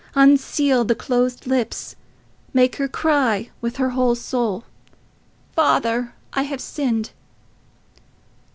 Unseal the closed lips: make her cry with her whole soul, 'Father, I have sinned.